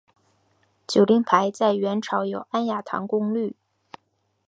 酒令牌在元朝有安雅堂觥律。